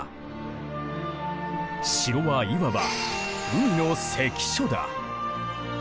城はいわば「海の関所」だ。